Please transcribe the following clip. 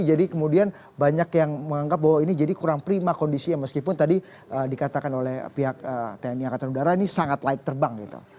jadi kemudian banyak yang menganggap bahwa ini jadi kurang prima kondisinya meskipun tadi dikatakan oleh pihak tni aktu ini sangat light terbang